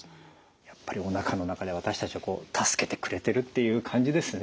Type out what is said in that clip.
やっぱりおなかの中で私たちを助けてくれてるっていう感じですね。